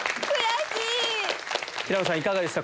平野さんいかがでした？